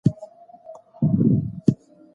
چټک غبرګون ستونزه زياتوي.